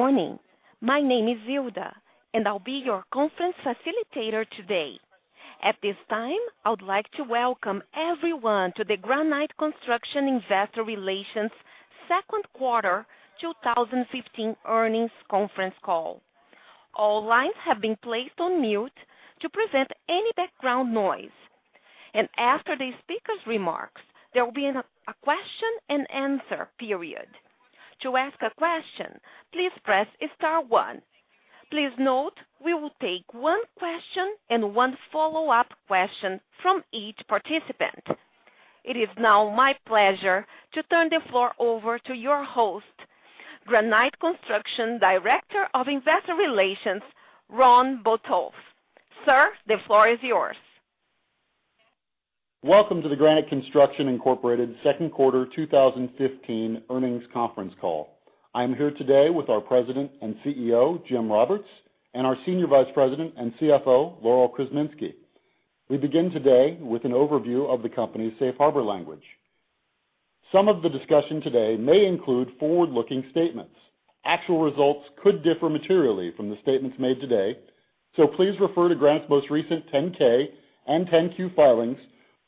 Good morning. My name is Hilda, and I'll be your conference facilitator today. At this time, I would like to welcome everyone to the Granite Construction Investor Relations second quarter 2015 earnings conference call. All lines have been placed on mute to prevent any background noise, and after the speaker's remarks, there will be a question-and-answer period. To ask a question, please press star one. Please note, we will take one question and one follow-up question from each participant. It is now my pleasure to turn the floor over to your host, Granite Construction Director of Investor Relations Ron Botoff. Sir, the floor is yours. Welcome to the Granite Construction Incorporated second quarter 2015 earnings conference call. I am here today with our President and CEO, Jim Roberts, and our Senior Vice President and CFO, Laurel Krzeminski. We begin today with an overview of the company's safe harbor language. Some of the discussion today may include forward-looking statements. Actual results could differ materially from the statements made today, so please refer to Granite's most recent 10-K and 10-Q filings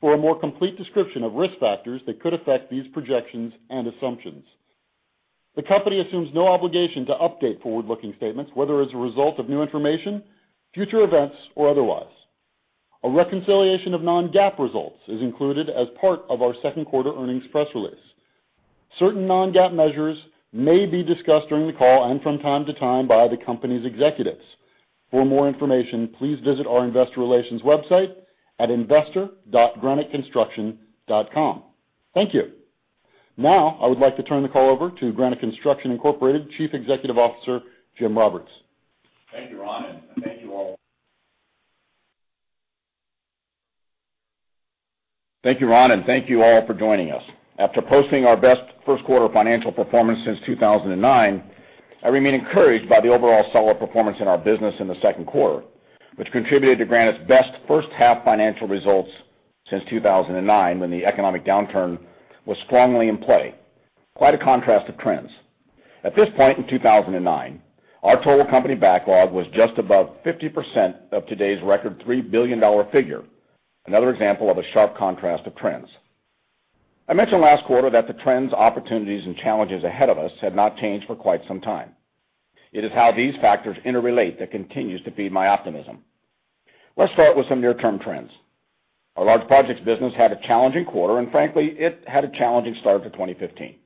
for a more complete description of risk factors that could affect these projections and assumptions. The company assumes no obligation to update forward-looking statements, whether as a result of new information, future events, or otherwise. A reconciliation of non-GAAP results is included as part of our second quarter earnings press release. Certain non-GAAP measures may be discussed during the call and from time to time by the company's executives. For more information, please visit our investor relations website at investor.graniteconstruction.com. Thank you. Now, I would like to turn the call over to Granite Construction Incorporated, Chief Executive Officer, Jim Roberts. Thank you, Ron, and thank you all. Thank you, Ron, and thank you all for joining us. After posting our best first quarter financial performance since 2009, I remain encouraged by the overall solid performance in our business in the second quarter, which contributed to Granite's best first half financial results since 2009, when the economic downturn was strongly in play. Quite a contrast of trends. At this point in 2009, our total company backlog was just above 50% of today's record $3 billion figure, another example of a sharp contrast of trends. I mentioned last quarter that the trends, opportunities, and challenges ahead of us had not changed for quite some time. It is how these factors interrelate that continues to feed my optimism. Let's start with some near-term trends. Our large projects business had a challenging quarter, and frankly, it had a challenging start to 2015.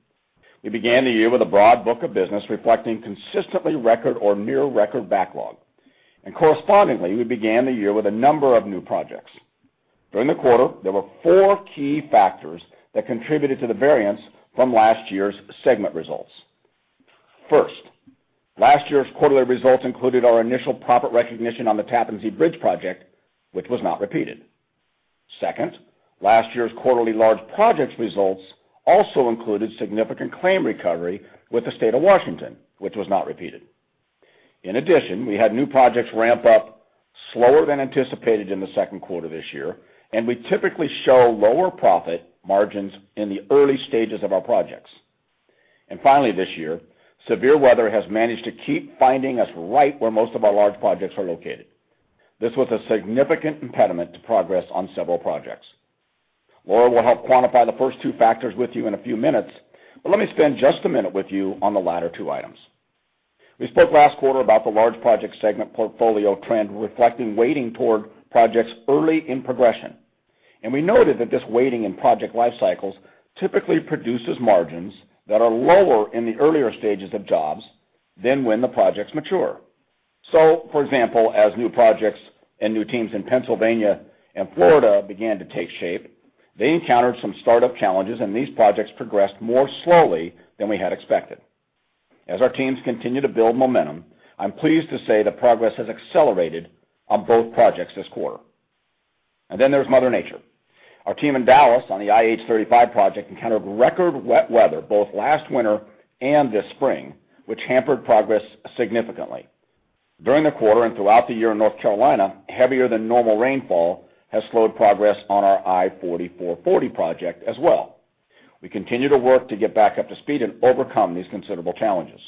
We began the year with a broad book of business, reflecting consistently record or near record backlog, and correspondingly, we began the year with a number of new projects. During the quarter, there were four key factors that contributed to the variance from last year's segment results. First, last year's quarterly results included our initial profit recognition on the Tappan Zee Bridge project, which was not repeated. Second, last year's quarterly large projects results also included significant claim recovery with the state of Washington, which was not repeated. In addition, we had new projects ramp up slower than anticipated in the second quarter this year, and we typically show lower profit margins in the early stages of our projects. Finally, this year, severe weather has managed to keep finding us right where most of our large projects are located. This was a significant impediment to progress on several projects. Laurel will help quantify the first two factors with you in a few minutes, but let me spend just a minute with you on the latter two items. We spoke last quarter about the large project segment portfolio trend, reflecting weighting toward projects early in progression. We noted that this weighting in project life cycles typically produces margins that are lower in the earlier stages of jobs than when the projects mature. For example, as new projects and new teams in Pennsylvania and Florida began to take shape, they encountered some start-up challenges, and these projects progressed more slowly than we had expected. As our teams continue to build momentum, I'm pleased to say that progress has accelerated on both projects this quarter. And then there's Mother Nature. Our team in Dallas on the I-35 project encountered record wet weather both last winter and this spring, which hampered progress significantly. During the quarter and throughout the year in North Carolina, heavier than normal rainfall has slowed progress on our I-40/I-440 project as well. We continue to work to get back up to speed and overcome these considerable challenges.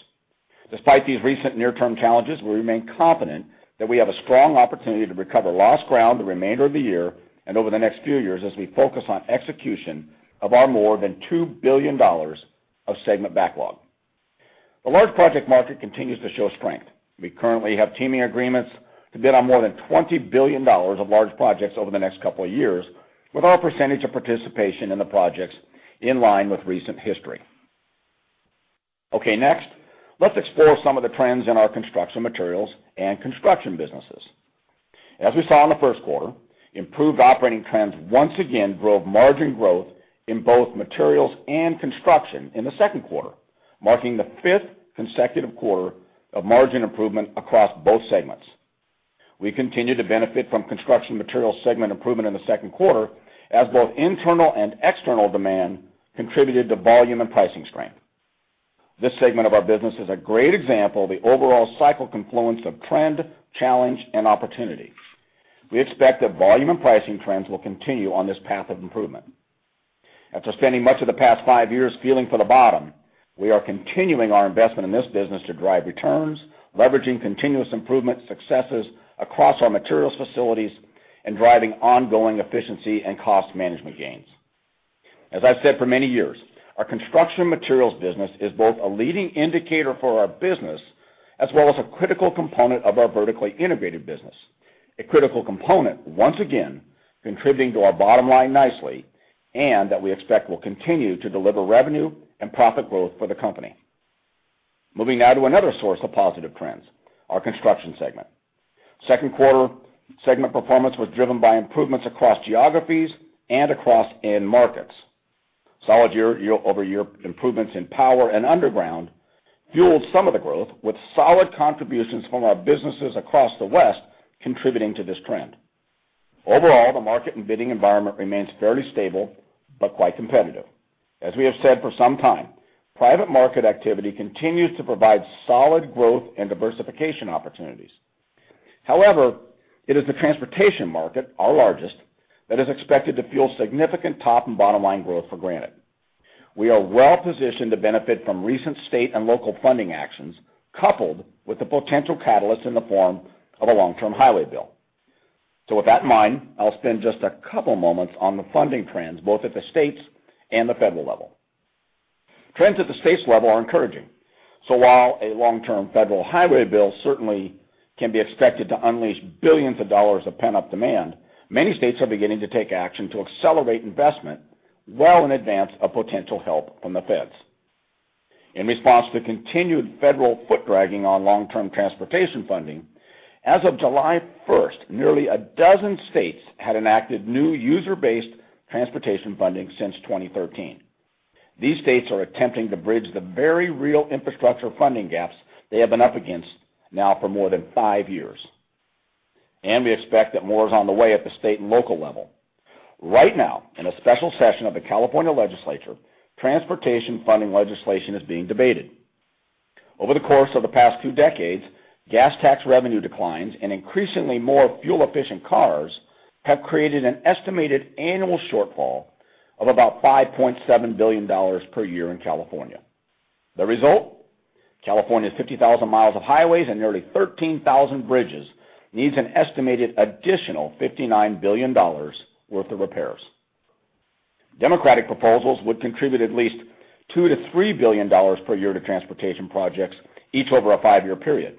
Despite these recent near-term challenges, we remain confident that we have a strong opportunity to recover lost ground the remainder of the year and over the next few years as we focus on execution of our more than $2 billion of segment backlog. The large project market continues to show strength. We currently have teaming agreements to bid on more than $20 billion of large projects over the next couple of years, with our percentage of participation in the projects in line with recent history. Okay, next, let's explore some of the trends in our construction materials and construction businesses. As we saw in the first quarter, improved operating trends once again drove margin growth in both materials and construction in the second quarter, marking the fifth consecutive quarter of margin improvement across both segments. We continue to benefit from construction materials segment improvement in the second quarter, as both internal and external demand contributed to volume and pricing strength. This segment of our business is a great example of the overall cycle confluence of trend, challenge, and opportunity. We expect that volume and pricing trends will continue on this path of improvement. After spending much of the past five years feeling for the bottom, we are continuing our investment in this business to drive returns, leveraging continuous improvement successes across our materials facilities, and driving ongoing efficiency and cost management gains. As I've said for many years, our construction materials business is both a leading indicator for our business, as well as a critical component of our vertically integrated business. A critical component, once again, contributing to our bottom line nicely, and that we expect will continue to deliver revenue and profit growth for the company. Moving now to another source of positive trends, our construction segment. Second quarter segment performance was driven by improvements across geographies and across end markets. Solid year-over-year improvements in power and underground fueled some of the growth, with solid contributions from our businesses across the West contributing to this trend. Overall, the market and bidding environment remains fairly stable, but quite competitive. As we have said for some time, private market activity continues to provide solid growth and diversification opportunities. However, it is the transportation market, our largest, that is expected to fuel significant top and bottom line growth for Granite. We are well-positioned to benefit from recent state and local funding actions, coupled with the potential catalyst in the form of a long-term highway bill. So with that in mind, I'll spend just a couple moments on the funding trends, both at the state and the federal level. Trends at the state level are encouraging. So while a long-term federal highway bill certainly can be expected to unleash billions of dollars of pent-up demand, many states are beginning to take action to accelerate investment well in advance of potential help from the feds. In response to continued federal foot-dragging on long-term transportation funding, as of July 1st, nearly a dozen states had enacted new user-based transportation funding since 2013. These states are attempting to bridge the very real infrastructure funding gaps they have been up against now for more than five years. We expect that more is on the way at the state and local level. Right now, in a special session of the California Legislature, transportation funding legislation is being debated. Over the course of the past two decades, gas tax revenue declines and increasingly more fuel-efficient cars have created an estimated annual shortfall of about $5.7 billion per year in California. The result? California's 50,000 miles of highways and nearly 13,000 bridges needs an estimated additional $59 billion worth of repairs. Democratic proposals would contribute at least $2 billion-$3 billion per year to transportation projects, each over a 5-year period.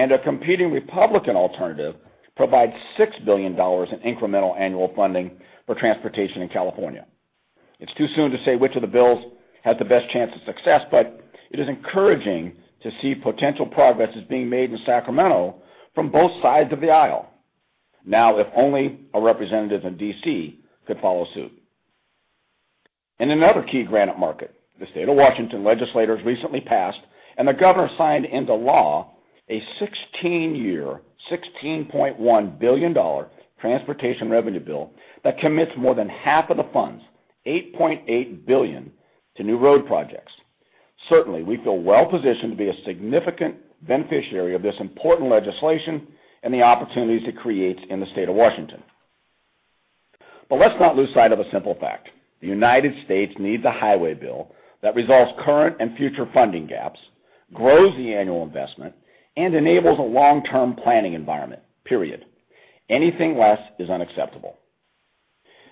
A competing Republican alternative provides $6 billion in incremental annual funding for transportation in California. It's too soon to say which of the bills has the best chance of success, but it is encouraging to see potential progress is being made in Sacramento from both sides of the aisle. Now, if only our representatives in D.C. could follow suit. In another key Granite market, the state of Washington, legislators recently passed, and the governor signed into law, a 16-year, $16.1 billion transportation revenue bill that commits more than half of the funds, $8.8 billion, to new road projects. Certainly, we feel well-positioned to be a significant beneficiary of this important legislation and the opportunities it creates in the state of Washington. But let's not lose sight of a simple fact: the United States needs a highway bill that resolves current and future funding gaps, grows the annual investment, and enables a long-term planning environment, period. Anything less is unacceptable.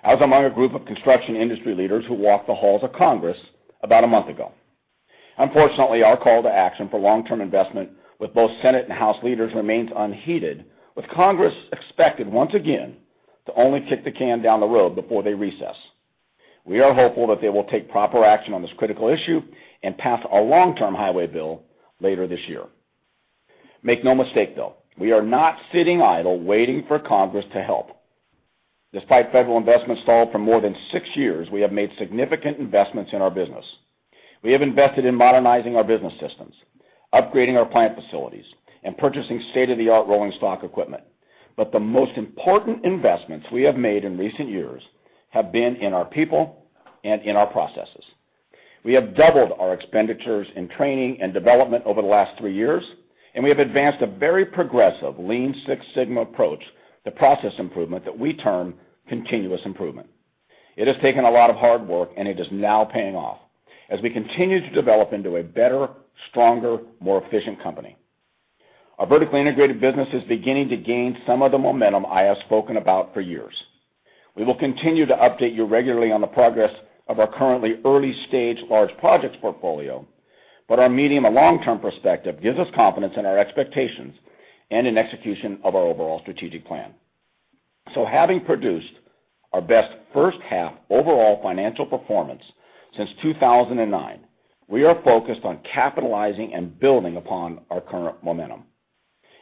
I was among a group of construction industry leaders who walked the halls of Congress about a month ago. Unfortunately, our call to action for long-term investment with both Senate and House leaders remains unheeded, with Congress expected once again to only kick the can down the road before they recess. We are hopeful that they will take proper action on this critical issue and pass a long-term highway bill later this year. Make no mistake, though, we are not sitting idle waiting for Congress to help. Despite federal investment stalled for more than six years, we have made significant investments in our business. We have invested in modernizing our business systems, upgrading our plant facilities, and purchasing state-of-the-art rolling stock equipment. But the most important investments we have made in recent years have been in our people and in our processes. We have doubled our expenditures in training and development over the last three years, and we have advanced a very progressive Lean Six Sigma approach to process improvement that we term continuous improvement. It has taken a lot of hard work, and it is now paying off as we continue to develop into a better, stronger, more efficient company. Our vertically integrated business is beginning to gain some of the momentum I have spoken about for years. We will continue to update you regularly on the progress of our currently early-stage large projects portfolio, but our medium and long-term perspective gives us confidence in our expectations and in execution of our overall strategic plan. So having produced our best first half overall financial performance since 2009, we are focused on capitalizing and building upon our current momentum.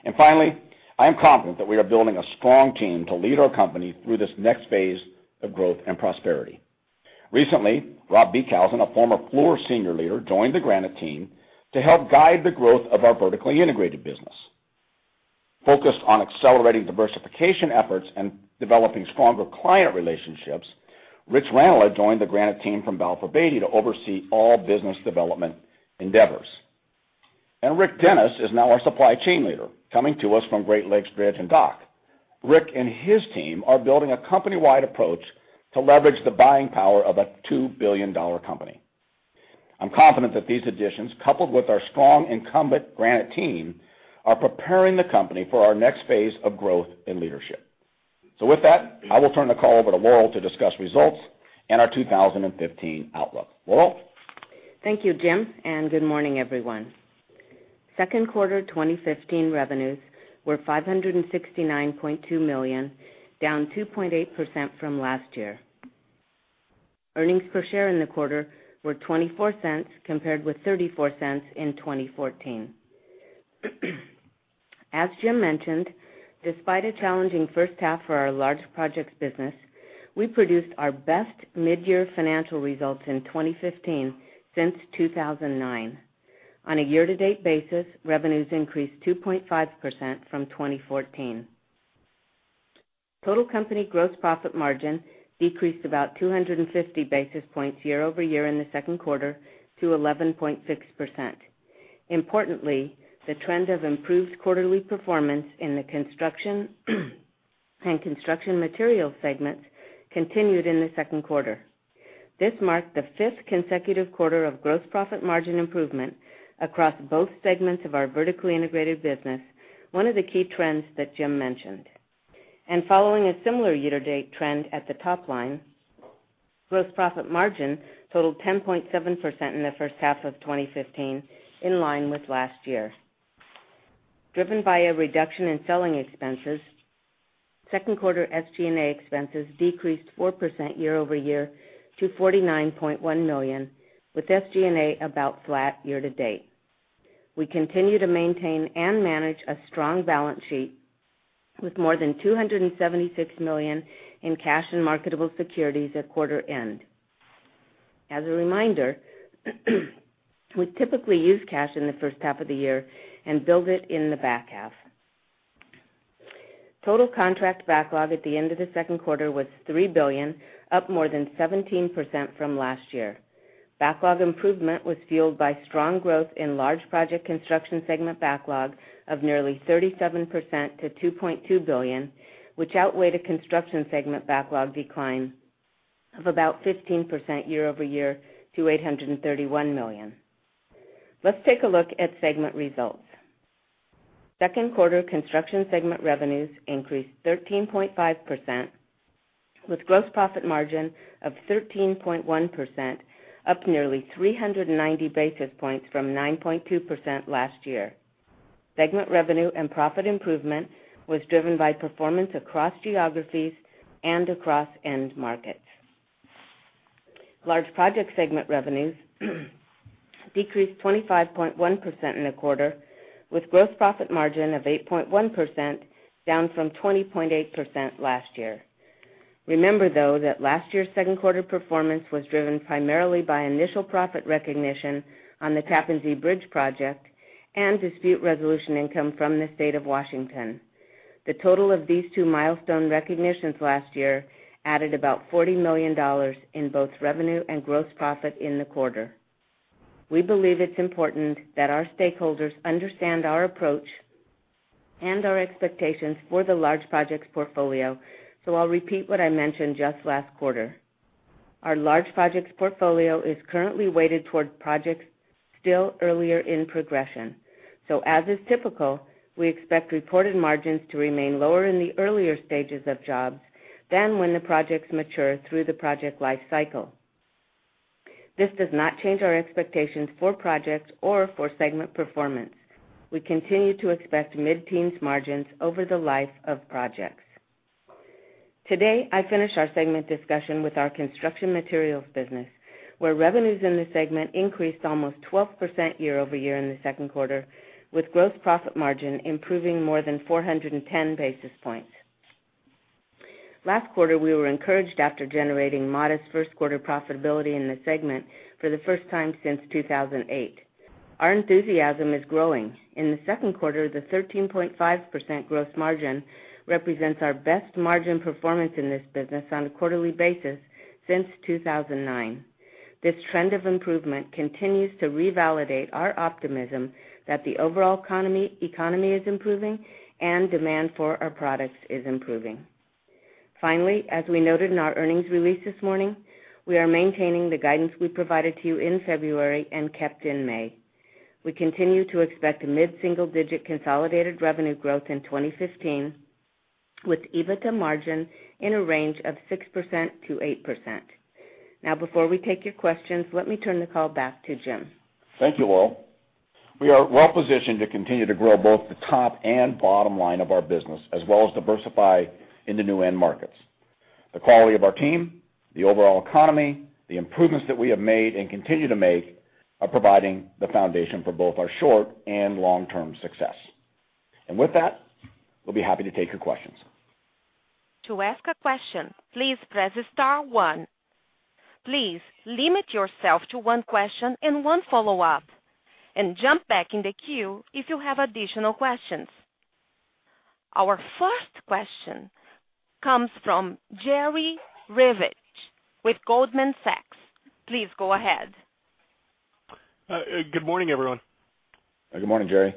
And finally, I am confident that we are building a strong team to lead our company through this next phase of growth and prosperity. Recently, Rob Beekhuizen, a former Fluor senior leader, joined the Granite team to help guide the growth of our vertically integrated business. Focused on accelerating diversification efforts and developing stronger client relationships, Rich Rantala joined the Granite team from Balfour Beatty to oversee all business development endeavors. And Rick Dennis is now our supply chain leader, coming to us from Great Lakes Dredge & Dock. Rick and his team are building a company-wide approach to leverage the buying power of a $2 billion company. I'm confident that these additions, coupled with our strong incumbent Granite team, are preparing the company for our next phase of growth and leadership. So with that, I will turn the call over to Laurel to discuss results and our 2015 outlook. Laurel? Thank you, Jim, and good morning, everyone. Second quarter 2015 revenues were $569.2 million, down 2.8% from last year. Earnings per share in the quarter were $0.24, compared with $0.34 in 2014. As Jim mentioned, despite a challenging first half for our Large Projects business, we produced our best midyear financial results in 2015 since 2009. On a year-to-date basis, revenues increased 2.5% from 2014. Total company gross profit margin decreased about 250 basis points year-over-year in the second quarter to 11.6%. Importantly, the trend of improved quarterly performance in the construction materials segments continued in the second quarter. This marked the fifth consecutive quarter of gross profit margin improvement across both segments of our vertically integrated business, one of the key trends that Jim mentioned. Following a similar year-to-date trend at the top line, gross profit margin totaled 10.7% in the first half of 2015, in line with last year. Driven by a reduction in selling expenses, second quarter SG&A expenses decreased 4% year-over-year to $49.1 million, with SG&A about flat year-to-date. We continue to maintain and manage a strong balance sheet, with more than $276 million in cash and marketable securities at quarter end. As a reminder, we typically use cash in the first half of the year and build it in the back half. Total contract backlog at the end of the second quarter was $3 billion, up more than 17% from last year. Backlog improvement was fueled by strong growth in Large Project Construction segment backlog of nearly 37% to $2.2 billion, which outweighed a construction segment backlog decline of about 15% year-over-year to $831 million. Let's take a look at segment results. Second quarter construction segment revenues increased 13.5%, with gross profit margin of 13.1%, up nearly 390 basis points from 9.2% last year. Segment revenue and profit improvement was driven by performance across geographies and across end markets. Large Project segment revenues decreased 25.1% in the quarter, with gross profit margin of 8.1%, down from 20.8% last year. Remember, though, that last year's second quarter performance was driven primarily by initial profit recognition on the Tappan Zee Bridge project and dispute resolution income from the State of Washington. The total of these two milestone recognitions last year added about $40 million in both revenue and gross profit in the quarter. We believe it's important that our stakeholders understand our approach and our expectations for the Large Projects portfolio, so I'll repeat what I mentioned just last quarter. Our Large Projects portfolio is currently weighted toward projects still earlier in progression, so as is typical, we expect reported margins to remain lower in the earlier stages of jobs than when the projects mature through the project life cycle. This does not change our expectations for projects or for segment performance. We continue to expect mid-teens margins over the life of projects. Today, I finish our segment discussion with our construction materials business, where revenues in the segment increased almost 12% year-over-year in the second quarter, with gross profit margin improving more than 410 basis points. Last quarter, we were encouraged after generating modest first quarter profitability in this segment for the first time since 2008. Our enthusiasm is growing. In the second quarter, the 13.5% gross margin represents our best margin performance in this business on a quarterly basis since 2009. This trend of improvement continues to revalidate our optimism that the overall economy, economy is improving and demand for our products is improving. Finally, as we noted in our earnings release this morning, we are maintaining the guidance we provided to you in February and kept in May. We continue to expect mid-single digit consolidated revenue growth in 2015, with EBITDA margin in a range of 6%-8%. Now, before we take your questions, let me turn the call back to Jim. Thank you, Laurel. We are well positioned to continue to grow both the top and bottom line of our business, as well as diversify into new end markets. The quality of our team, the overall economy, the improvements that we have made and continue to make are providing the foundation for both our short- and long-term success. With that, we'll be happy to take your questions. To ask a question, please press star one. Please limit yourself to one question and one follow-up, and jump back in the queue if you have additional questions....Our first question comes from Jerry Revich with Goldman Sachs. Please go ahead. Good morning, everyone. Good morning, Jerry.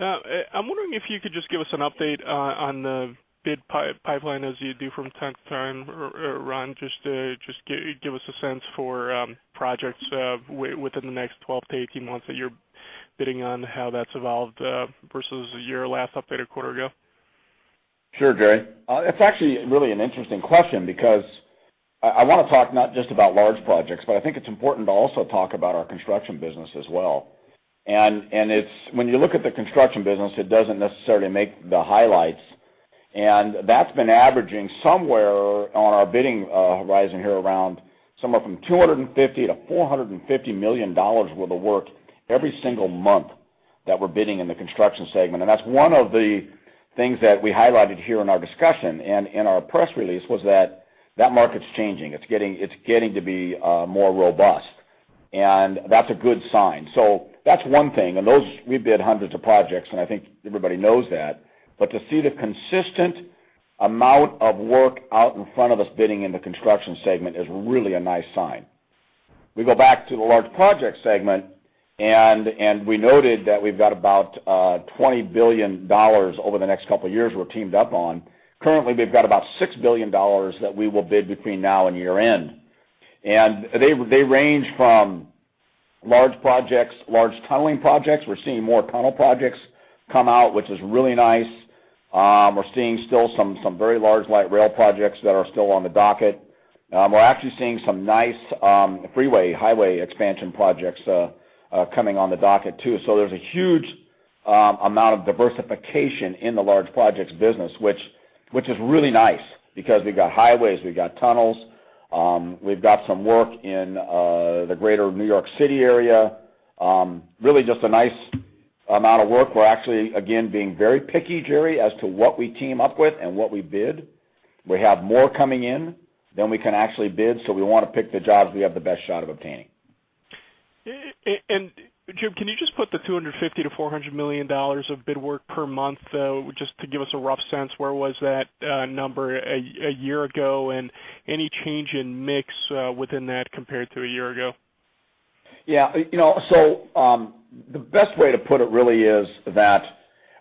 I'm wondering if you could just give us an update on the bid pipeline, as you do from time to time, or Ron, just to give us a sense for projects within the next 12-18 months that you're bidding on, how that's evolved versus your last update a quarter ago. Sure, Jerry. It's actually really an interesting question because I wanna talk not just about large projects, but I think it's important to also talk about our construction business as well. And it's, when you look at the construction business, it doesn't necessarily make the highlights, and that's been averaging somewhere on our bidding horizon here around somewhere from $250 million-$450 million worth of work every single month that we're bidding in the construction segment. And that's one of the things that we highlighted here in our discussion and in our press release, was that that market's changing. It's getting to be more robust, and that's a good sign. So that's one thing, and those, we bid hundreds of projects, and I think everybody knows that. But to see the consistent amount of work out in front of us bidding in the construction segment is really a nice sign. We go back to the large project segment, and we noted that we've got about $20 billion over the next couple years we're teamed up on. Currently, we've got about $6 billion that we will bid between now and year-end, and they range from large projects, large tunneling projects. We're seeing more tunnel projects come out, which is really nice. We're seeing still some very large light rail projects that are still on the docket. We're actually seeing some nice freeway, highway expansion projects coming on the docket, too. So there's a huge amount of diversification in the large projects business, which is really nice because we've got highways, we've got tunnels, we've got some work in the greater New York City area. Really just a nice amount of work. We're actually, again, being very picky, Jerry, as to what we team up with and what we bid. We have more coming in than we can actually bid, so we wanna pick the jobs we have the best shot of obtaining. Jim, can you just put the $250 million-$400 million of bid work per month, just to give us a rough sense, where was that number a year ago? And any change in mix within that compared to a year ago? Yeah. You know, so, the best way to put it really is that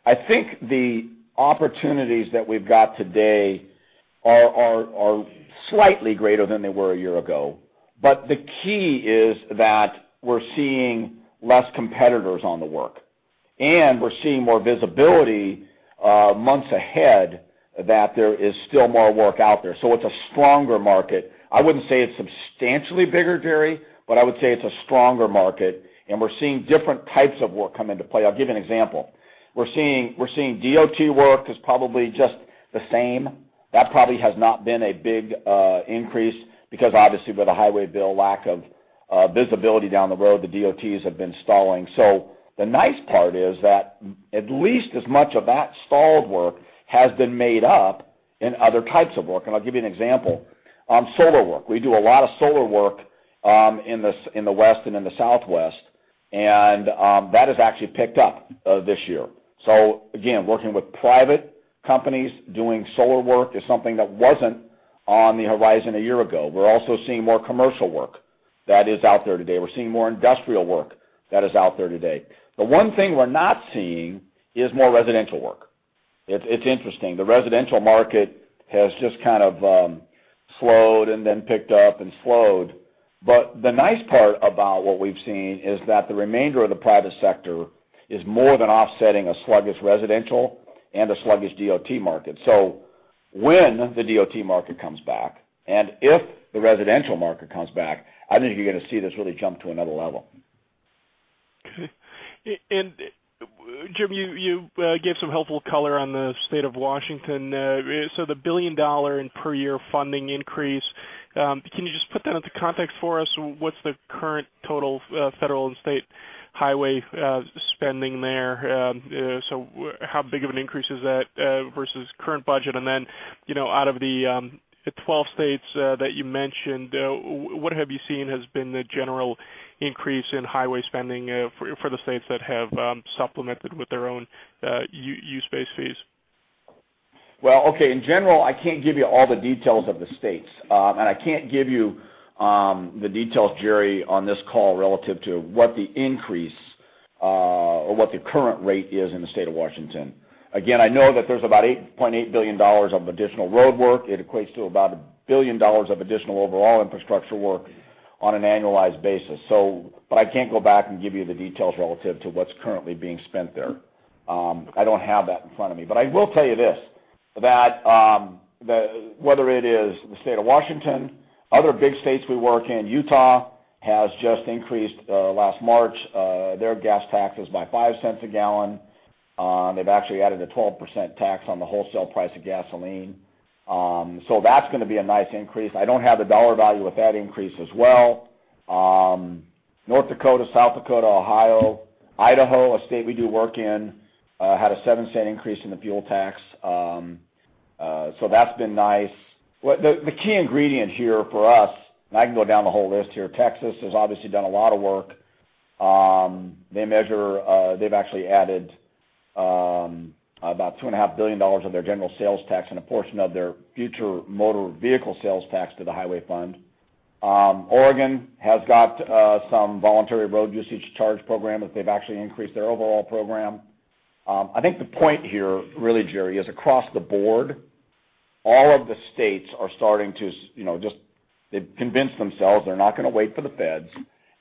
I think the opportunities that we've got today are slightly greater than they were a year ago, but the key is that we're seeing less competitors on the work, and we're seeing more visibility, months ahead, that there is still more work out there. So it's a stronger market. I wouldn't say it's substantially bigger, Jerry, but I would say it's a stronger market, and we're seeing different types of work come into play. I'll give you an example. We're seeing DOT work is probably just the same. That probably has not been a big, increase because obviously, with the highway bill, lack of, visibility down the road, the DOTs have been stalling. So the nice part is that at least as much of that stalled work has been made up in other types of work, and I'll give you an example. Solar work. We do a lot of solar work in the West and in the Southwest, and that has actually picked up this year. So again, working with private companies, doing solar work is something that wasn't on the horizon a year ago. We're also seeing more commercial work that is out there today. We're seeing more industrial work that is out there today. The one thing we're not seeing is more residential work. It, it's interesting, the residential market has just kind of slowed and then picked up and slowed. But the nice part about what we've seen is that the remainder of the private sector is more than offsetting a sluggish residential and a sluggish DOT market. So when the DOT market comes back, and if the residential market comes back, I think you're gonna see this really jump to another level. Jim, you gave some helpful color on the state of Washington. So the $1 billion per year funding increase, can you just put that into context for us? What's the current total, federal and state highway, spending there? So how big of an increase is that, versus current budget? And then, you know, out of the 12 states that you mentioned, what have you seen has been the general increase in highway spending, for the states that have supplemented with their own use-based fees? Well, okay, in general, I can't give you all the details of the states. I can't give you the details, Jerry, on this call relative to what the increase or what the current rate is in the state of Washington. Again, I know that there's about $8.8 billion of additional roadwork. It equates to about $1 billion of additional overall infrastructure work on an annualized basis. But I can't go back and give you the details relative to what's currently being spent there. I don't have that in front of me. But I will tell you this, that whether it is the state of Washington, other big states we work in, Utah has just increased last March their gas taxes by $0.05 a gallon. They've actually added a 12% tax on the wholesale price of gasoline. So that's gonna be a nice increase. I don't have the dollar value of that increase as well. North Dakota, South Dakota, Ohio, Idaho, a state we do work in, had a $0.07 increase in the fuel tax. So that's been nice. Well, the key ingredient here for us, and I can go down the whole list here, Texas has obviously done a lot of work. They measure, they've actually added about $2.5 billion of their general sales tax and a portion of their future motor vehicle sales tax to the highway fund. Oregon has got some voluntary road usage charge program that they've actually increased their overall program. I think the point here, really, Jerry, is across the board, all of the states are starting to, you know, just, they've convinced themselves they're not gonna wait for the feds,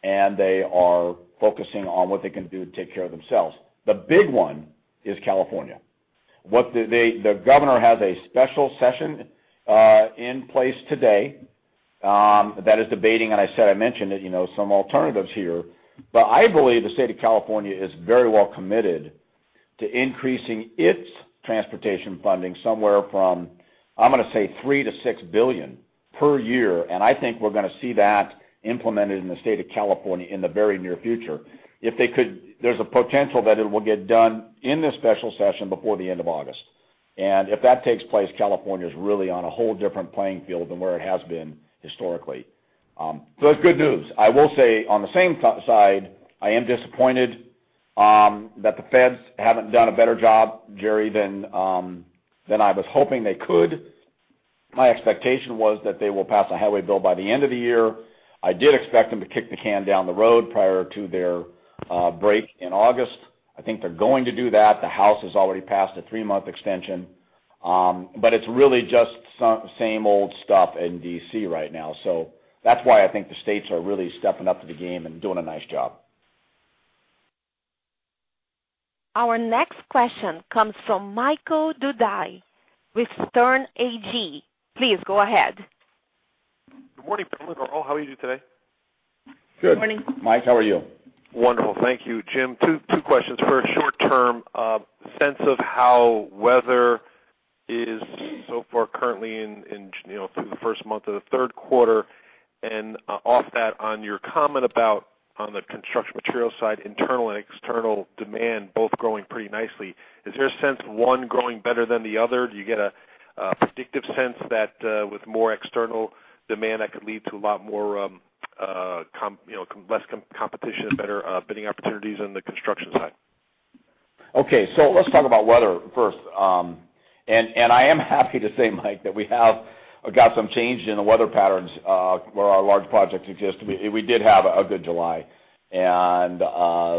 and they are focusing on what they can do to take care of themselves. The big one is California. The governor has a special session in place today that is debating, and I said I mentioned it, you know, some alternatives here. But I believe the state of California is very well committed to increasing its transportation funding somewhere from, I'm gonna say, $3 billion to $6 billion per year, and I think we're gonna see that implemented in the state of California in the very near future. If they could, there's a potential that it will get done in this special session before the end of August. If that takes place, California is really on a whole different playing field than where it has been historically. So it's good news. I will say, on the same side, I am disappointed that the feds haven't done a better job, Jerry, than I was hoping they could. My expectation was that they will pass a highway bill by the end of the year. I did expect them to kick the can down the road prior to their break in August. I think they're going to do that. The House has already passed a 3-month extension, but it's really just some same old stuff in D.C. right now. That's why I think the states are really stepping up to the game and doing a nice job. Our next question comes from Michael Dudas with Sterne Agee. Please go ahead. Good morning, gentlemen. How are you today? Mike, how are you? Wonderful. Thank you, Jim. Two questions. For a short-term sense of how weather is so far currently in, you know, through the first month of the third quarter, and, off that, on your comment about on the construction material side, internal and external demand both growing pretty nicely. Is there a sense of one growing better than the other? Do you get a predictive sense that, with more external demand, that could lead to a lot more, you know, less competition, better bidding opportunities on the construction side? Okay. So let's talk about weather first. And I am happy to say, Mike, that we have got some change in the weather patterns where our large projects exist. We did have a good July, and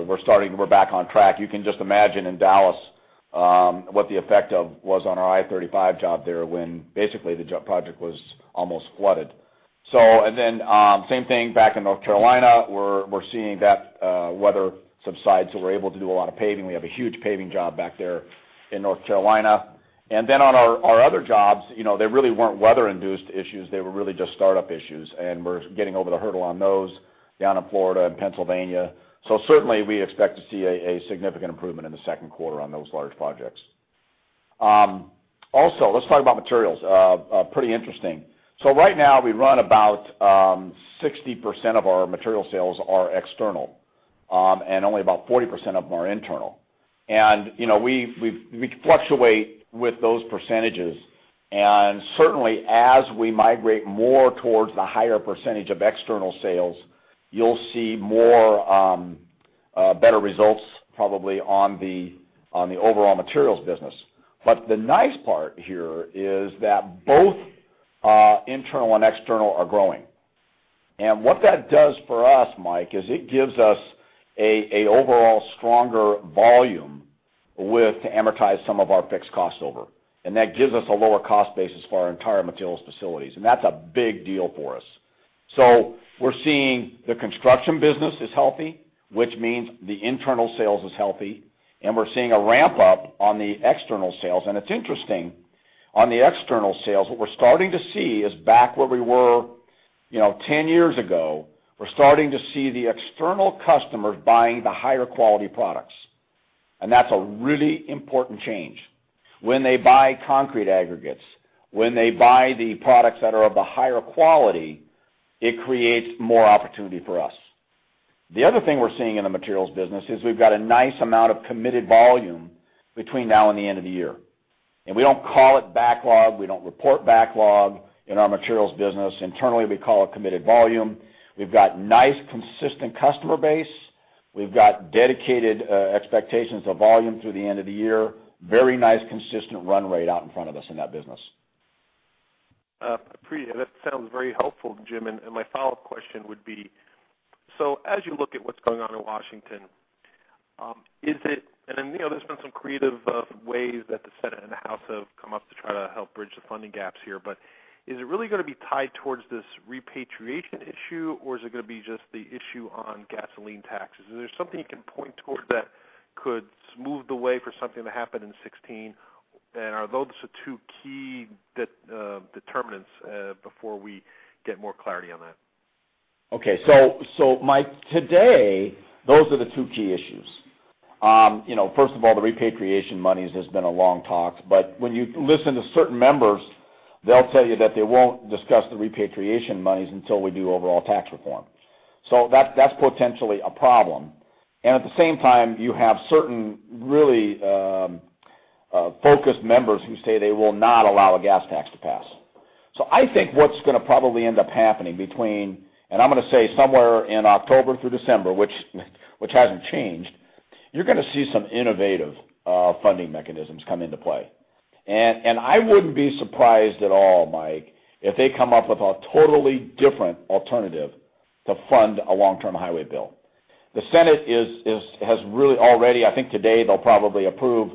we're starting. We're back on track. You can just imagine in Dallas what the effect of was on our I-35 job there, when basically, the I-35 project was almost flooded. So and then, same thing back in North Carolina, we're seeing that weather subside, so we're able to do a lot of paving. We have a huge paving job back there in North Carolina. And then on our other jobs, you know, they really weren't weather-induced issues, they were really just startup issues, and we're getting over the hurdle on those down in Florida and Pennsylvania. So certainly, we expect to see a significant improvement in the second quarter on those large projects. Also, let's talk about materials. Pretty interesting. So right now, we run about 60% of our material sales are external, and only about 40% of them are internal. And, you know, we've we fluctuate with those percentages. And certainly, as we migrate more towards the higher percentage of external sales, you'll see more better results, probably on the overall materials business. But the nice part here is that both internal and external are growing. And what that does for us, Mike, is it gives us a overall stronger volume with to amortize some of our fixed costs over, and that gives us a lower cost basis for our entire materials facilities, and that's a big deal for us. So we're seeing the construction business is healthy, which means the internal sales is healthy, and we're seeing a ramp up on the external sales. It's interesting, on the external sales, what we're starting to see is back where we were, you know, 10 years ago. We're starting to see the external customers buying the higher quality products, and that's a really important change. When they buy concrete aggregates, when they buy the products that are of a higher quality, it creates more opportunity for us. The other thing we're seeing in the materials business is we've got a nice amount of committed volume between now and the end of the year. We don't call it backlog, we don't report backlog in our materials business. Internally, we call it committed volume. We've got nice, consistent customer base, we've got dedicated expectations of volume through the end of the year. Very nice, consistent run rate out in front of us in that business. I appreciate it. That sounds very helpful, Jim, and my follow-up question would be: So as you look at what's going on in Washington, you know, there's been some creative ways that the Senate and the House have come up to try to help bridge the funding gaps here. But is it really gonna be tied towards this repatriation issue, or is it gonna be just the issue on gasoline taxes? Is there something you can point towards that could smooth the way for something to happen in 2016, and are those the two key determinants before we get more clarity on that? Okay. So, Mike, today, those are the two key issues. You know, first of all, the repatriation money has just been a long talk, but when you listen to certain members, they'll tell you that they won't discuss the repatriation monies until we do overall tax reform. So that's potentially a problem. And at the same time, you have certain really focused members who say they will not allow a gas tax to pass. So I think what's gonna probably end up happening between, and I'm gonna say somewhere in October through December, which hasn't changed, you're gonna see some innovative funding mechanisms come into play. And I wouldn't be surprised at all, Mike, if they come up with a totally different alternative to fund a long-term highway bill. The Senate has really already, I think today, they'll probably approve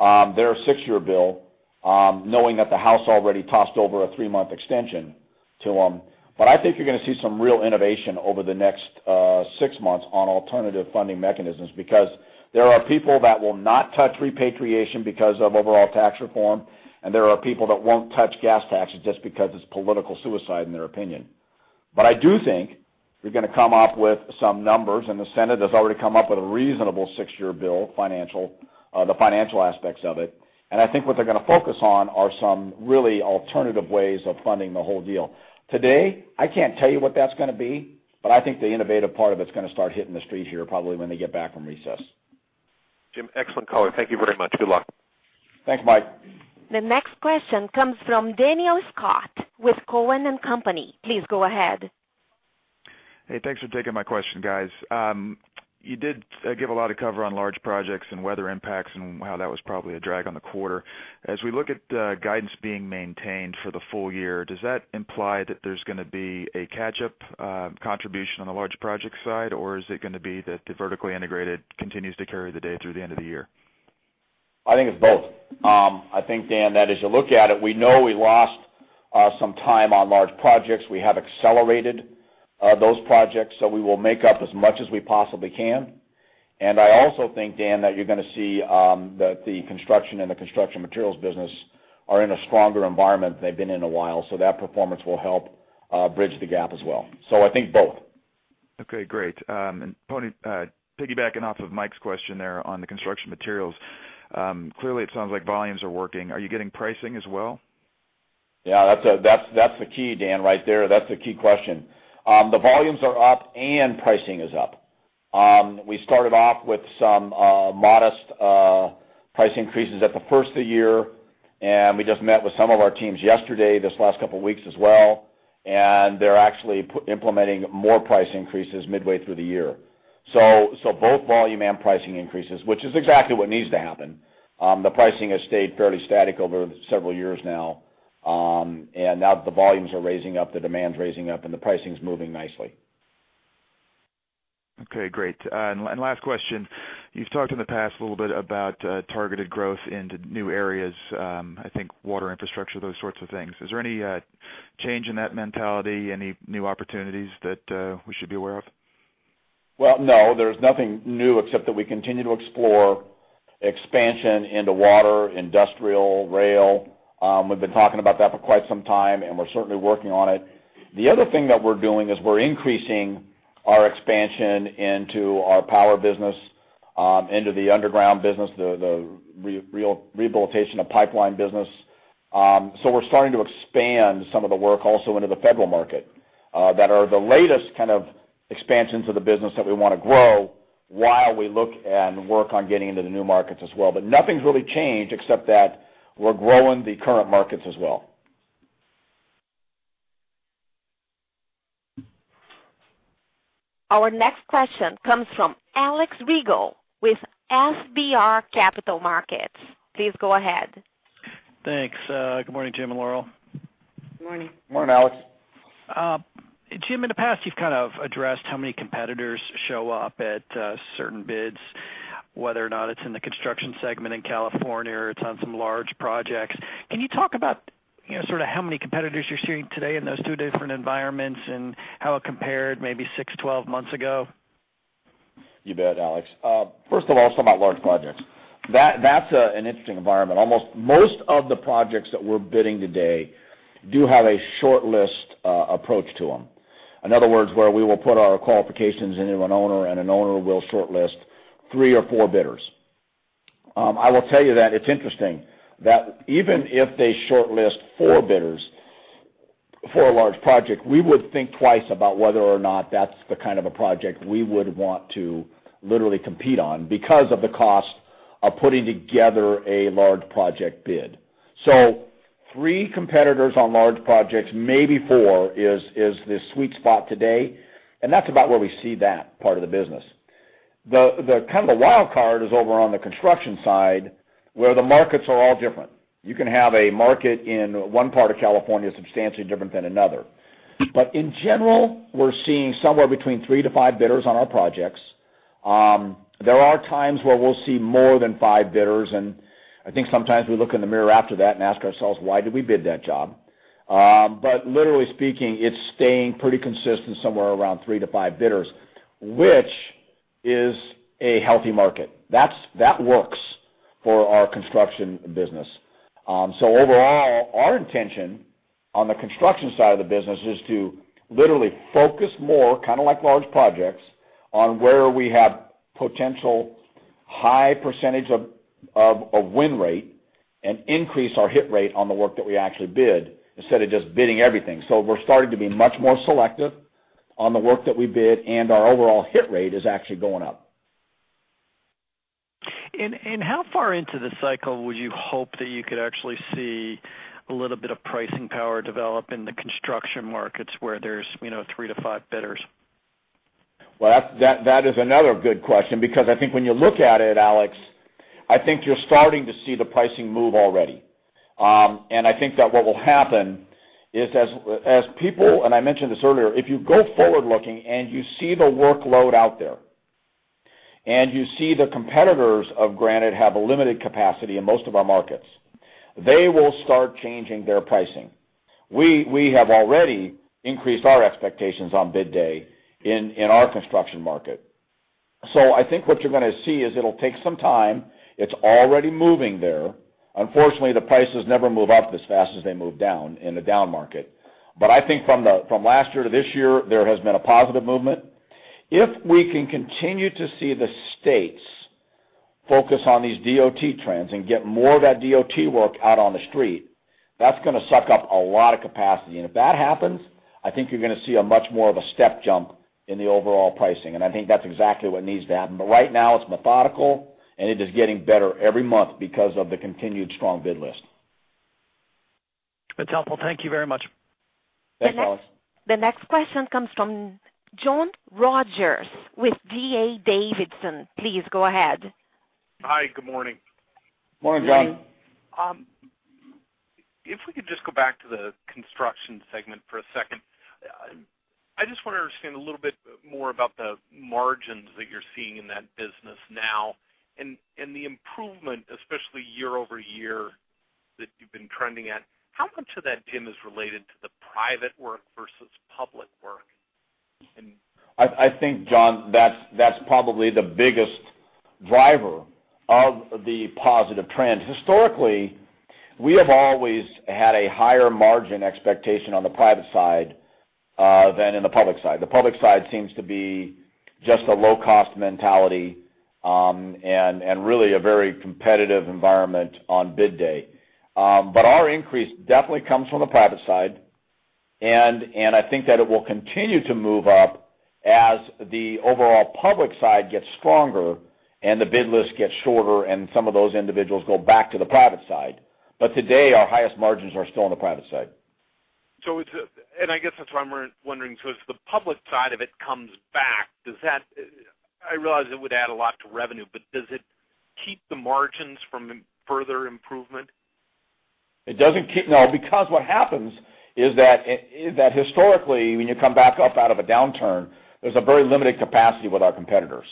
their 6-year bill, knowing that the House already passed over a 3-month extension to them. But I think you're gonna see some real innovation over the next 6 months on alternative funding mechanisms, because there are people that will not touch repatriation because of overall tax reform, and there are people that won't touch gas taxes just because it's political suicide in their opinion. But I do think they're gonna come up with some numbers, and the Senate has already come up with a reasonable 6-year bill, financial, the financial aspects of it. And I think what they're gonna focus on are some really alternative ways of funding the whole deal. Today, I can't tell you what that's gonna be, but I think the innovative part of it's gonna start hitting the street here, probably when they get back from recess. Jim, excellent call. Thank you very much. Good luck. Thanks, Mike. The next question comes from Daniel Scott with Cowen and Company. Please go ahead. Hey, thanks for taking my question, guys. You did give a lot of cover on large projects and weather impacts and how that was probably a drag on the quarter. As we look at guidance being maintained for the full year, does that imply that there's gonna be a catch-up contribution on the large project side, or is it gonna be that the vertically integrated continues to carry the day through the end of the year? I think it's both. I think, Dan, that as you look at it, we know we lost some time on large projects. We have accelerated those projects, so we will make up as much as we possibly can. I also think, Dan, that you're gonna see that the construction and the construction materials business are in a stronger environment than they've been in a while, so that performance will help bridge the gap as well. So I think both. Okay, great. And piggybacking off of Mike's question there on the construction materials, clearly, it sounds like volumes are working. Are you getting pricing as well? Yeah, that's the key, Dan, right there. That's the key question. The volumes are up and pricing is up. We started off with some modest price increases at the first of the year, and we just met with some of our teams yesterday, this last couple of weeks as well, and they're actually implementing more price increases midway through the year. So both volume and pricing increases, which is exactly what needs to happen. The pricing has stayed fairly static over several years now, and now that the volumes are raising up, the demand is raising up, and the pricing is moving nicely. Okay, great. And last question, you've talked in the past a little bit about targeted growth into new areas, I think water infrastructure, those sorts of things. Is there any change in that mentality, any new opportunities that we should be aware of? Well, no, there's nothing new except that we continue to explore expansion into water, industrial, rail. We've been talking about that for quite some time, and we're certainly working on it. The other thing that we're doing is we're increasing our expansion into our power business, into the underground business, the rehabilitation of pipeline business. So we're starting to expand some of the work also into the federal market, that are the latest kind of expansions of the business that we wanna grow while we look and work on getting into the new markets as well. But nothing's really changed except that we're growing the current markets as well. Our next question comes from Alex Rygiel with FBR Capital Markets. Please go ahead. Thanks. Good morning, Jim and Laurel. Good morning. Good morning, Alex. Jim, in the past, you've kind of addressed how many competitors show up at certain bids, whether or not it's in the construction segment in California or it's on some large projects. Can you talk about, you know, sort of how many competitors you're seeing today in those two different environments and how it compared maybe six, 12 months ago? You bet, Alex. First of all, let's talk about large projects. That's an interesting environment. Almost most of the projects that we're bidding today do have a short list approach to them. In other words, where we will put our qualifications into an owner, and an owner will shortlist three or four bidders. I will tell you that it's interesting that even if they shortlist four bidders for a large project, we would think twice about whether or not that's the kind of a project we would want to literally compete on because of the cost of putting together a large project bid. So three competitors on large projects, maybe four, is the sweet spot today, and that's about where we see that part of the business. The kind of wild card is over on the construction side, where the markets are all different. You can have a market in one part of California, substantially different than another. But in general, we're seeing somewhere between 3-5 bidders on our projects. There are times where we'll see more than 5 bidders, and I think sometimes we look in the mirror after that and ask ourselves, "Why did we bid that job?" But literally speaking, it's staying pretty consistent, somewhere around 3-5 bidders, which is a healthy market. That works for our construction business. So overall, our intention on the construction side of the business is to literally focus more, kind of like large projects, on where we have potential high percentage of win rate and increase our hit rate on the work that we actually bid, instead of just bidding everything. So we're starting to be much more selective on the work that we bid, and our overall hit rate is actually going up. How far into the cycle would you hope that you could actually see a little bit of pricing power develop in the construction markets where there's, you know, three to five bidders? Well, that is another good question, because I think when you look at it, Alex, I think you're starting to see the pricing move already. And I think that what will happen is as people, and I mentioned this earlier, if you go forward-looking, and you see the workload out there, and you see the competitors of Granite have a limited capacity in most of our markets, they will start changing their pricing. We have already increased our expectations on bid day in our construction market. So I think what you're gonna see is it'll take some time. It's already moving there. Unfortunately, the prices never move up as fast as they move down in a down market. But I think from last year to this year, there has been a positive movement. If we can continue to see the states focus on these DOT trends and get more of that DOT work out on the street, that's gonna suck up a lot of capacity. If that happens, I think you're gonna see much more of a step jump in the overall pricing. And I think that's exactly what needs to happen. But right now, it's methodical, and it is getting better every month because of the continued strong bid list. That's helpful. Thank you very much. Thanks, Alex. The next question comes from John Rogers with D.A. Davidson. Please go ahead. Hi, good morning. Morning, John. If we could just go back to the construction segment for a second. I just want to understand a little bit more about the margins that you're seeing in that business now, and the improvement, especially year-over-year, that you've been trending at. How much of that, Jim, is related to the private work versus public work? I think, John, that's probably the biggest driver of the positive trend. Historically, we have always had a higher margin expectation on the private side than in the public side. The public side seems to be just a low-cost mentality, and really a very competitive environment on bid day. But our increase definitely comes from the private side, and I think that it will continue to move up as the overall public side gets stronger and the bid list gets shorter, and some of those individuals go back to the private side. But today, our highest margins are still on the private side. So it's a and I guess that's why I'm wondering, so as the public side of it comes back, does that, I realize it would add a lot to revenue, but does it keep the margins from further improvement? It doesn't keep, no, because what happens is that, is that historically, when you come back up out of a downturn, there's a very limited capacity with our competitors.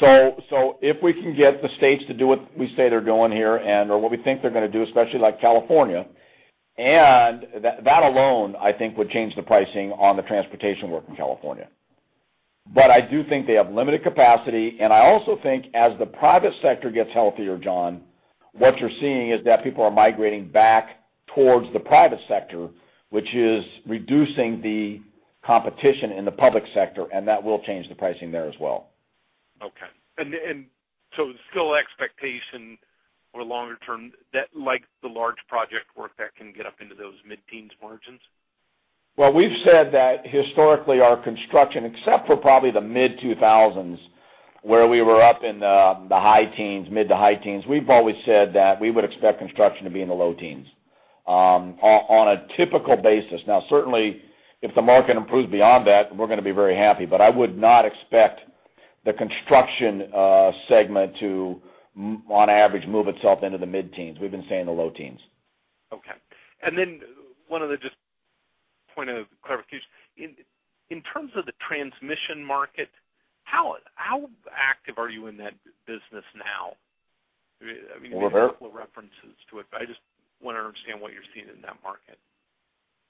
So, if we can get the states to do what we say they're doing here, and/or what we think they're gonna do, especially like California, and that, that alone, I think, would change the pricing on the transportation work in California. But I do think they have limited capacity, and I also think as the private sector gets healthier, John, what you're seeing is that people are migrating back towards the private sector, which is reducing the competition in the public sector, and that will change the pricing there as well. Okay. So still expectation for longer-term that like the large project work that can get up into those mid-teens margins? Well, we've said that historically, our construction, except for probably the mid-2000s, where we were up in the, the high teens, mid to high teens, we've always said that we would expect construction to be in the low teens, on a typical basis. Now, certainly, if the market improves beyond that, we're gonna be very happy, but I would not expect the construction segment to on average, move itself into the mid-teens. We've been saying the low teens. Okay. And then one other just point of clarification. In terms of the transmission market, how active are you in that business now? A couple of references to it, but I just want to understand what you're seeing in that market.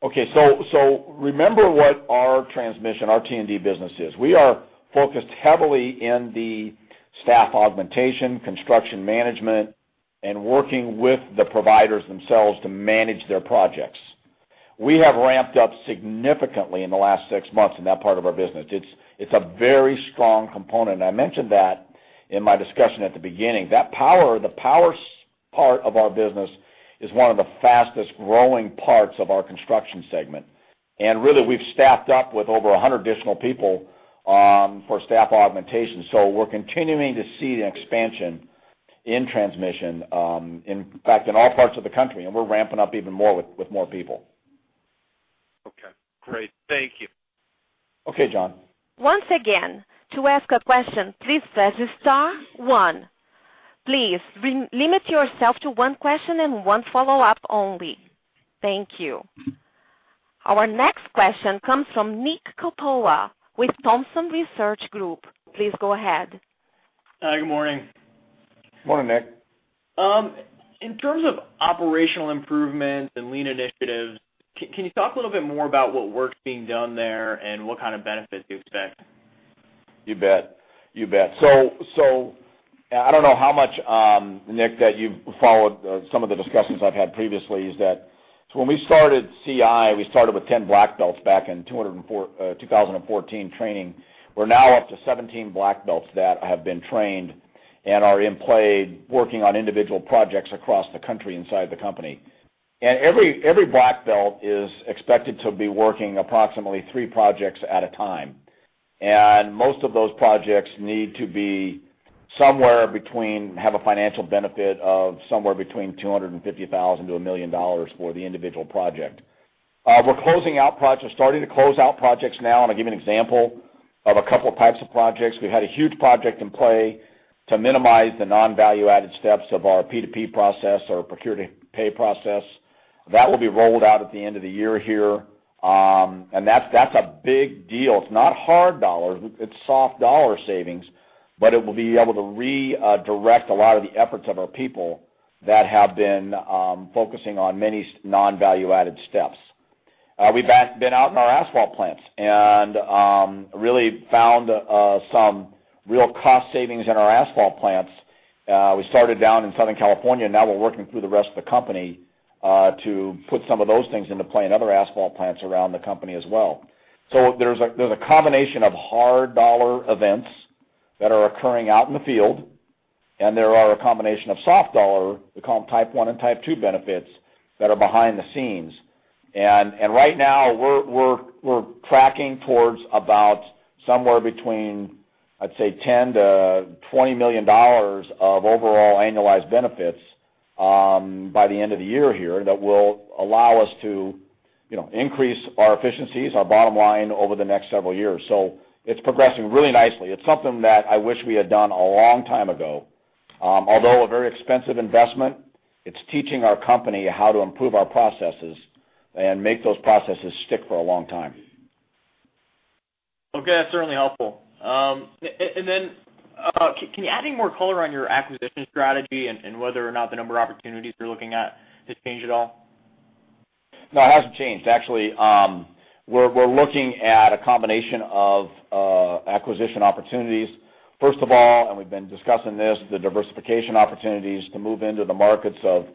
Okay. So remember what our transmission, our T&D business is. We are focused heavily in the staff augmentation, construction management, and working with the providers themselves to manage their projects. We have ramped up significantly in the last six months in that part of our business. It's a very strong component, and I mentioned that in my discussion at the beginning. That power, the power part of our business is one of the fastest-growing parts of our construction segment. And really, we've staffed up with over 100 additional people for staff augmentation. So we're continuing to see an expansion in transmission, in fact, in all parts of the country, and we're ramping up even more with more people. Okay, great. Thank you. Okay, John. Once again, to ask a question, please press star one. Please limit yourself to one question and one follow-up only. Thank you. Our next question comes from Nick Coppola with Thompson Research Group. Please go ahead. Good morning. Morning, Nick. In terms of operational improvements and lean initiatives, can you talk a little bit more about what work's being done there and what kind of benefits you expect? You bet. You bet. So, I don't know how much, Nick, that you've followed some of the discussions I've had previously. So when we started CI, we started with 10 Black Belts back in 2014 training. We're now up to 17 Black Belts that have been trained and are in play, working on individual projects across the country, inside the company. And every Black Belt is expected to be working approximately 3 projects at a time. And most of those projects need to be somewhere between, have a financial benefit of somewhere between $250,000-$1 million for the individual project. We're closing out projects, starting to close out projects now, and I'll give you an example of a couple types of projects. We had a huge project in play to minimize the non-value added steps of our P2P process, or Procure-to-Pay process. That will be rolled out at the end of the year here, and that's a big deal. It's not hard dollars, it's soft dollar savings, but it will be able to redirect a lot of the efforts of our people that have been focusing on many non-value added steps. We've been out in our asphalt plants, and really found some real cost savings in our asphalt plants. We started down in Southern California, and now we're working through the rest of the company, to put some of those things into play in other asphalt plants around the company as well. So there's a combination of hard dollar events that are occurring out in the field, and there are a combination of soft dollar, we call them type one and type two benefits, that are behind the scenes. And right now, we're tracking towards about somewhere between, I'd say, $10 million-$20 million of overall annualized benefits, by the end of the year here, that will allow us to, you know, increase our efficiencies, our bottom line, over the next several years. So it's progressing really nicely. It's something that I wish we had done a long time ago. Although a very expensive investment, it's teaching our company how to improve our processes and make those processes stick for a long time. Okay, that's certainly helpful. And then, can you add any more color on your acquisition strategy and whether or not the number of opportunities you're looking at has changed at all? No, it hasn't changed. Actually, we're looking at a combination of acquisition opportunities. First of all, and we've been discussing this, the diversification opportunities to move into the markets of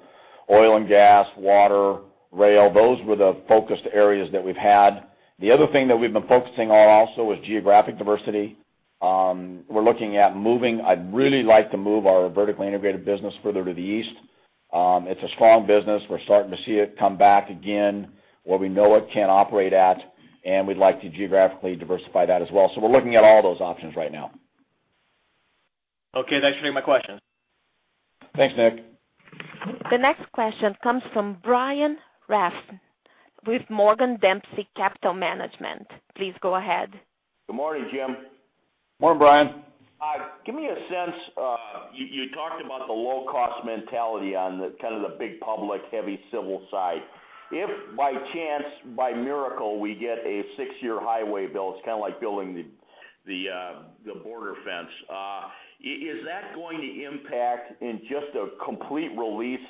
oil and gas, water, rail, those were the focused areas that we've had. The other thing that we've been focusing on also is geographic diversity. We're looking at moving, I'd really like to move our vertically integrated business further to the east. It's a strong business. We're starting to see it come back again, where we know it can operate at, and we'd like to geographically diversify that as well. So we're looking at all those options right now. Okay. That's pretty much my questions. Thanks, Nick. The next question comes from c. Please go ahead. Good morning, Jim. Morning, Brian. Hi. Give me a sense, you talked about the low-cost mentality on the kind of the big public, heavy civil side. If by chance, by miracle, we get a six-year highway bill, it's kind of like building the border fence. Is that going to impact in just a complete release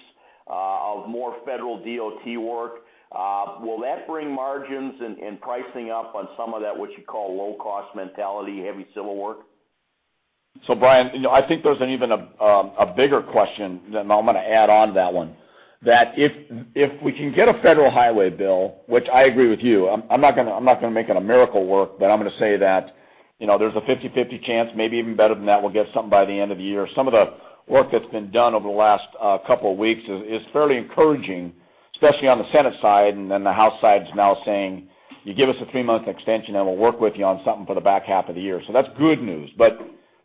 of more federal DOT work? Will that bring margins and pricing up on some of that, what you call low-cost mentality, heavy civil work? So Brian, you know, I think there's even a bigger question, than I'm gonna add on to that one, that if we can get a federal highway bill, which I agree with you, I'm not gonna make it a miracle work, but I'm gonna say that, you know, there's a 50/50 chance, maybe even better than that, we'll get something by the end of the year. Some of the work that's been done over the last couple of weeks is fairly encouraging, especially on the Senate side, and then the House side is now saying, "You give us a three-month extension, and we'll work with you on something for the back half of the year." So that's good news, but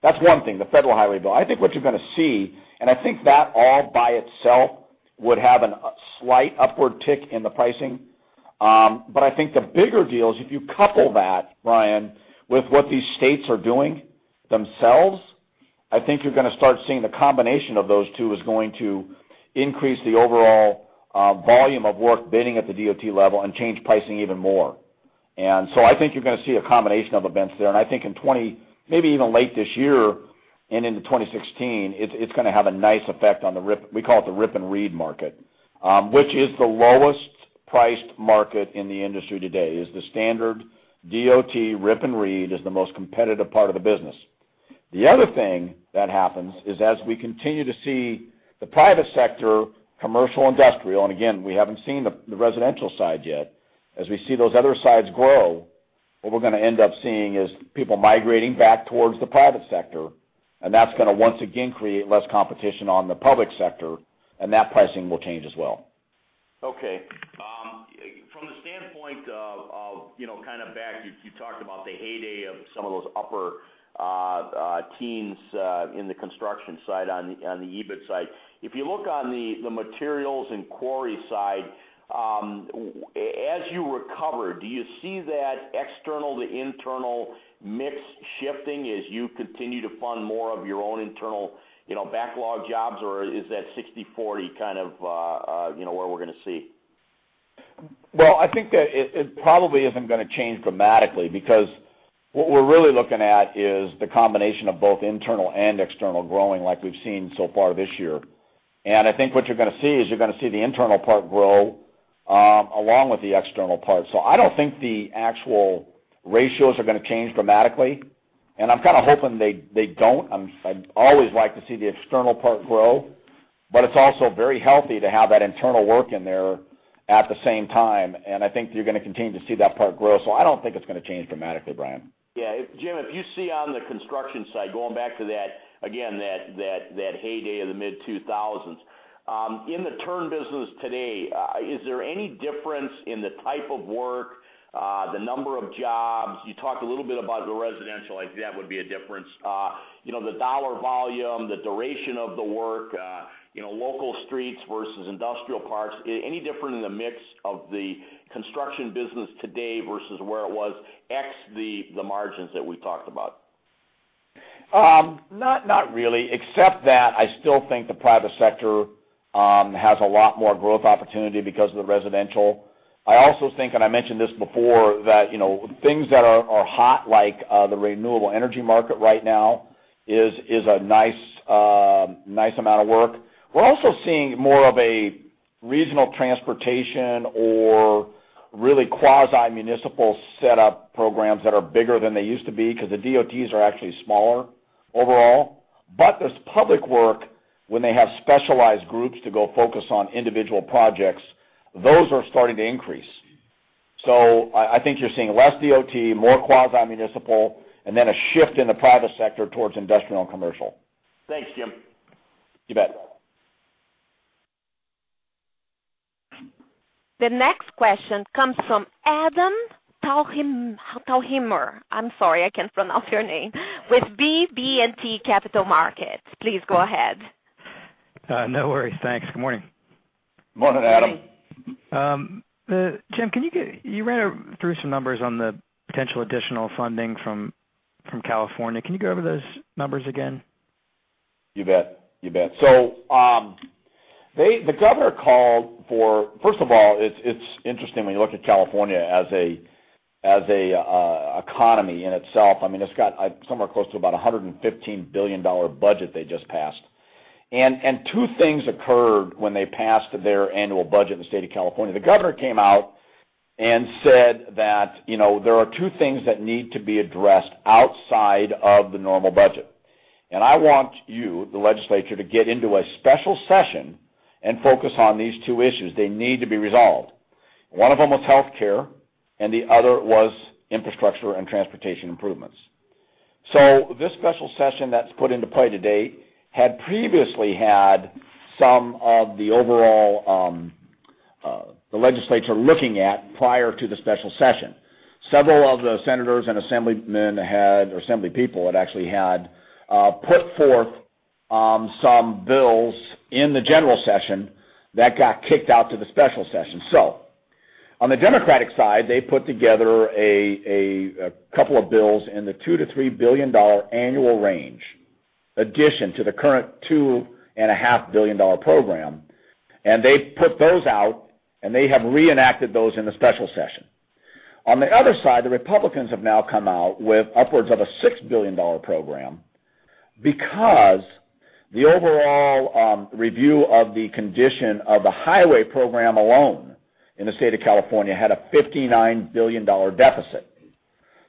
that's one thing, the federal highway bill. I think what you're gonna see, and I think that all by itself would have an slight upward tick in the pricing. But I think the bigger deal is if you couple that, Brian, with what these states are doing themselves, I think you're gonna start seeing the combination of those two is going to increase the overall volume of work bidding at the DOT level and change pricing even more. And so I think you're gonna see a combination of events there. And I think, maybe even late this year and into 2016, it's gonna have a nice effect on the rip and read market, which is the lowest priced market in the industry today, is the standard DOT rip and read is the most competitive part of the business. The other thing that happens is as we continue to see the private sector, commercial, industrial, and again, we haven't seen the residential side yet. As we see those other sides grow, what we're gonna end up seeing is people migrating back towards the private sector, and that's gonna, once again, create less competition on the public sector, and that pricing will change as well. Okay. From the standpoint of, you know, kind of back, you talked about the heyday of some of those upper teens in the construction side on the EBIT side. If you look on the materials and quarry side, as you recover, do you see that external to internal mix shifting as you continue to fund more of your own internal, you know, backlog jobs, or is that 60/40 kind of, you know, what we're gonna see? Well, I think that it probably isn't gonna change dramatically because what we're really looking at is the combination of both internal and external growing like we've seen so far this year. And I think what you're gonna see is, you're gonna see the internal part grow, along with the external part. So I don't think the actual ratios are gonna change dramatically. And I'm kind of hoping they don't. I'd always like to see the external part grow, but it's also very healthy to have that internal work in there at the same time. And I think you're gonna continue to see that part grow. So I don't think it's gonna change dramatically, Brian. Yeah. Jim, if you see on the construction side, going back to that, again, that heyday of the mid-2000s, in the turn business today, is there any difference in the type of work, the number of jobs? You talked a little bit about the residential, like that would be a difference. You know, the dollar volume, the duration of the work, you know, local streets versus industrial parks. Any different in the mix of the construction business today versus where it was, say, the margins that we talked about? Not really, except that I still think the private sector has a lot more growth opportunity because of the residential. I also think, and I mentioned this before, that, you know, things that are hot, like, the renewable energy market right now, is a nice amount of work. We're also seeing more of a regional transportation or really quasi-municipal setup programs that are bigger than they used to be, because the DOTs are actually smaller overall. But this public work, when they have specialized groups to go focus on individual projects, those are starting to increase. So I think you're seeing less DOT, more quasi-municipal, and then a shift in the private sector towards industrial and commercial. Thanks, Jim. You bet. The next question comes from Adam Thalhimer. I'm sorry, I can't pronounce your name, with BB&T Capital Markets. Please go ahead. No worries. Thanks. Good morning. Morning, Adam. Jim, you ran through some numbers on the potential additional funding from California. Can you go over those numbers again? You bet. You bet. So, they. The governor called for. First of all, it's interesting when you look at California as a economy in itself. I mean, it's got somewhere close to about a $115 billion budget they just passed. And two things occurred when they passed their annual budget in the state of California. The governor came out and said that, "You know, there are two things that need to be addressed outside of the normal budget. And I want you, the legislature, to get into a special session and focus on these two issues. They need to be resolved." One of them was healthcare, and the other was infrastructure and transportation improvements. So this special session that's put into play to date had previously had some of the overall the legislature looking at prior to the special session. Several of the senators and assemblymen, or assembly people, had actually had put forth some bills in the general session that got kicked out to the special session. On the Democratic side, they put together a couple of bills in the $2 billion-$3 billion annual range, addition to the current $2.5 billion program. And they put those out, and they have reenacted those in the special session. On the other side, the Republicans have now come out with upwards of a $6 billion program, because the overall review of the condition of the highway program alone in the state of California had a $59 billion deficit.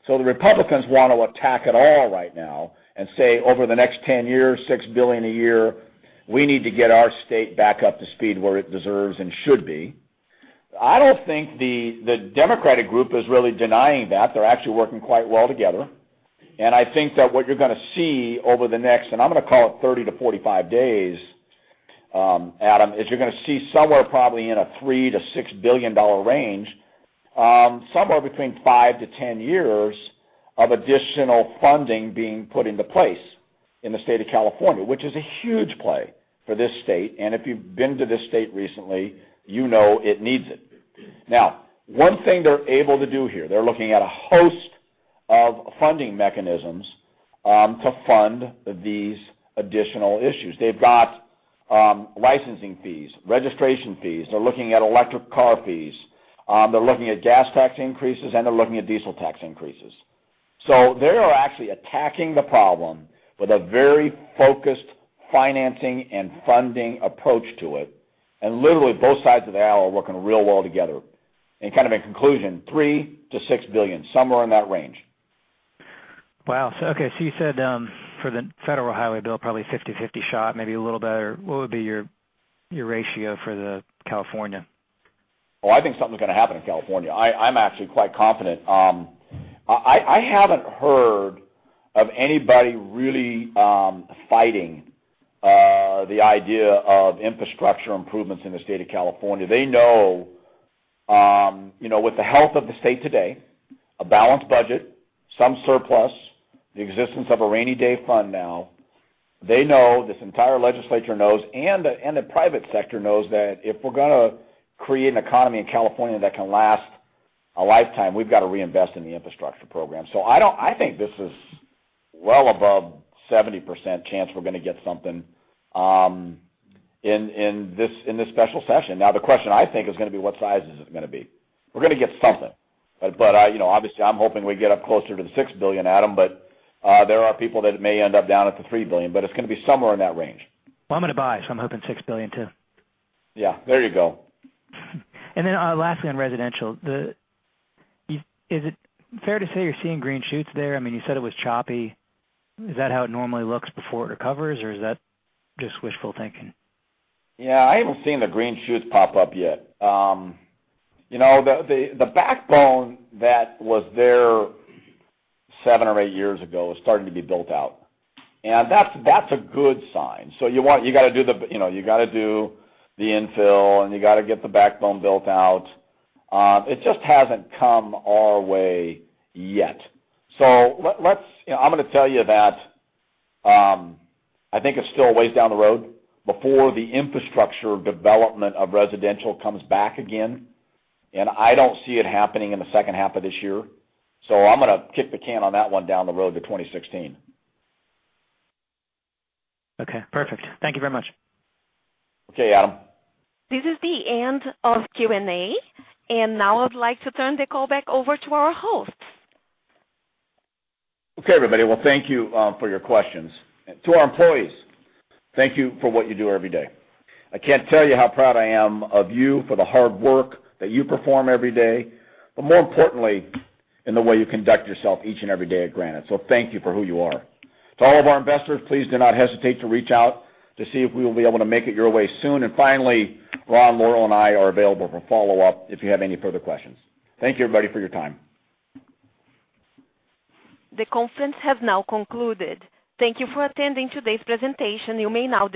So the Republicans want to attack it all right now and say, "Over the next 10 years, $6 billion a year, we need to get our state back up to speed where it deserves and should be." I don't think the Democratic group is really denying that. They're actually working quite well together. And I think that what you're gonna see over the next, and I'm gonna call it 30-45 days, Adam, is you're gonna see somewhere probably in a $3 billion-$6 billion range, somewhere between five to 10 years of additional funding being put into place in the state of California, which is a huge play for this state. And if you've been to this state recently, you know it needs it. Now, one thing they're able to do here, they're looking at a host of funding mechanisms to fund these additional issues. They've got licensing fees, registration fees. They're looking at electric car fees, they're looking at gas tax increases, and they're looking at diesel tax increases. So they are actually attacking the problem with a very focused financing and funding approach to it, and literally, both sides of the aisle are working real well together. And kind of in conclusion, $3 billion-$6 billion, somewhere in that range. Wow! Okay, so you said, for the federal highway bill, probably 50/50 shot, maybe a little better. What would be your, your ratio for California? Oh, I think something's gonna happen in California. I, I'm actually quite confident. I haven't heard of anybody really fighting the idea of infrastructure improvements in the state of California. They know, you know, with the health of the state today, a balanced budget, some surplus, the existence of a rainy day fund now, they know, this entire legislature knows, and the private sector knows that if we're gonna create an economy in California that can last a lifetime, we've got to reinvest in the infrastructure program. So I don't. I think this is well above 70% chance we're gonna get something in this special session. Now, the question, I think, is gonna be: What size is this gonna be? We're gonna get something, but, you know, obviously, I'm hoping we get up closer to the $6 billion, Adam, but there are people that it may end up down at the $3 billion, but it's gonna be somewhere in that range. Well, I'm gonna buy, so I'm hoping $6 billion, too. Yeah, there you go. Then, lastly, on residential, is it fair to say you're seeing green shoots there? I mean, you said it was choppy. Is that how it normally looks before it recovers, or is that just wishful thinking? Yeah, I haven't seen the green shoots pop up yet. You know, the backbone that was there seven or eight years ago is starting to be built out, and that's a good sign. So you want. You got to do the, you know, you got to do the infill, and you got to get the backbone built out. It just hasn't come our way yet. You know, I'm gonna tell you that, I think it's still a ways down the road before the infrastructure development of residential comes back again, and I don't see it happening in the second half of this year. So I'm gonna kick the can on that one down the road to 2016. Okay, perfect. Thank you very much. Okay, Adam. This is the end of Q&A, and now I'd like to turn the call back over to our host. Okay, everybody. Well, thank you for your questions. To our employees, thank you for what you do every day. I can't tell you how proud I am of you for the hard work that you perform every day, but more importantly, in the way you conduct yourself each and every day at Granite. Thank you for who you are. To all of our investors, please do not hesitate to reach out to see if we will be able to make it your way soon. Finally, Ron, Laurel, and I are available for follow-up if you have any further questions. Thank you, everybody, for your time. The conference has now concluded. Thank you for attending today's presentation. You may now disconnect.